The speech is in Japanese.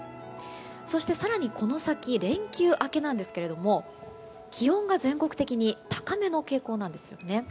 そして更にこの先連休明けなんですが気温が全国的に高めの傾向なんですよね。